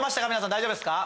大丈夫ですか。